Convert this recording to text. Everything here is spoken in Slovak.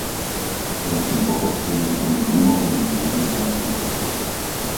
Prosím pochopte, že tam už nemôže byť žiadny ďalší postup.